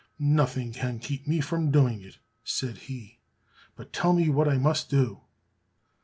"Nothing can keep me from doing it," said he, "but tell me what I must do."